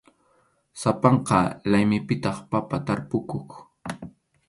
Sapanka laymipitaq papa tarpukuq.